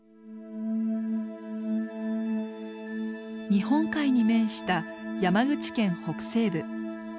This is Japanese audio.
日本海に面した山口県北西部。